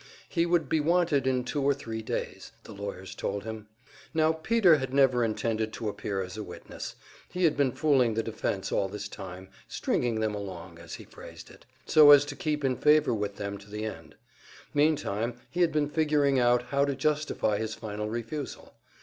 He would be wanted in two or three days, the lawyers told him. Now Peter had never intended to appear as a witness; he had been fooling the defense all this time "stringing them along," as he phrased it, so as to keep in favor with them to the end. Meantime he had been figuring out how to justify his final refusal.